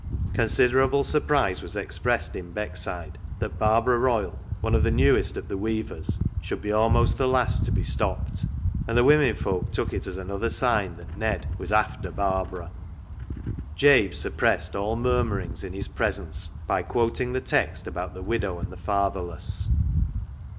Considerable surprise was expressed in Beckside that Barbara Royle, one of the newest of the weavers, should be almost the last to be stopped, and the women folk took it as another sign that Ned was " after " Barbara. Jabe suppressed all murmurings in his pres AN ATONEMENT 19 ence by quoting the text about the widow and the fatherless.